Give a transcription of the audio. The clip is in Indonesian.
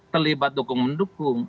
terlibat tukang mendukung